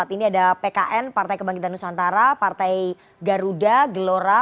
ini ada pkn partai kebangkitan nusantara partai garuda gelora